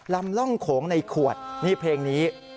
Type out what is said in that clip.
ลำร่องโขงในขวดนี่เพลงนี้